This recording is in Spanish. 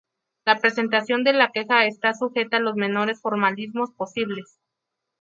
La presentación de la queja está sujeta a los menores formalismos posibles.